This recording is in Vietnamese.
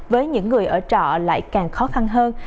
với những người ở trọ lại càng khó khăn hơn